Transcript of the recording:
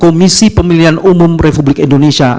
komisi pemilihan umum republik indonesia